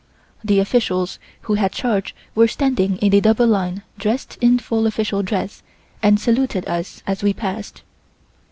The officials who had charge were standing in a double line dressed in full official dress and saluted us as we passed.